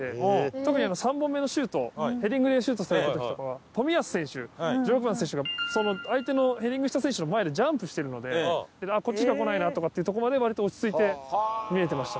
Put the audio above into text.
特に３本目のシュートヘディングでシュートされた時とかは冨安選手１６番の選手が相手のヘディングした選手の前でジャンプしてるのでこっちにしかこないなとかっていうとこまで割と落ち着いて見えてました。